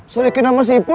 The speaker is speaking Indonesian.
sudikin sama si ipul